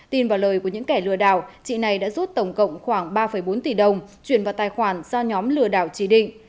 tin vào lời của những kẻ lừa đảo chị này đã rút tổng cộng khoảng ba bốn tỷ đồng chuyển vào tài khoản do nhóm lừa đảo chỉ định